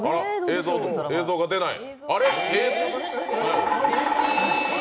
映像が出ない。